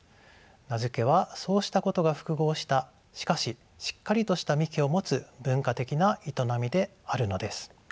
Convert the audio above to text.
名付けはそうしたことが複合したしかししっかりとした幹を持つ文化的な営みであるのです。